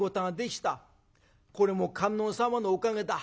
これも観音様のおかげだ。